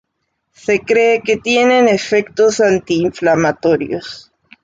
Se cree que tienen efectos anti-inflamatorios.